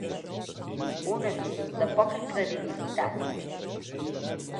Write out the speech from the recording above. Un avís de ‘poca credibilitat’